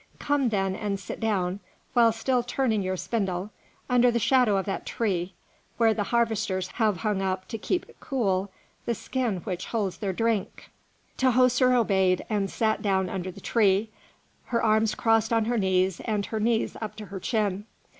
Come, then, and sit down, while still turning your spindle, under the shadow of that tree, where the harvesters have hung up, to keep it cool, the skin which holds their drink." Tahoser obeyed and sat down under the tree, her arms crossed on her knees and her knees up to her chin.